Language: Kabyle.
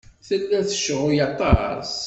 Tella tecɣel aṭas.